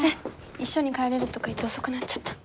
一緒に帰れるとか言って遅くなっちゃった。